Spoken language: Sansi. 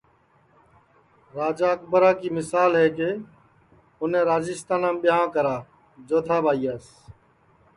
راجا اکبرا کی مسال ہے کہ اُنے راجیستانام ٻیاں کرا جودھا ٻائیاس جکو ایک ہندواس